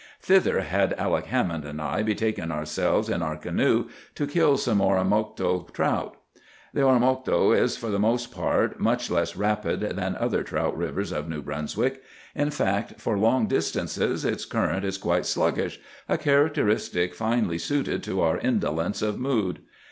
Thither had Alec Hammond and I betaken ourselves in our canoe to kill some Oromocto trout. "The Oromocto is for the most part much less rapid than other trout rivers of New Brunswick; in fact, for long distances its current is quite sluggish, a characteristic finely suited to our indolence of mood.